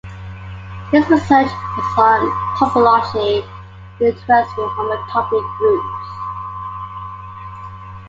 His research was on topology, with an interest in homotopy groups.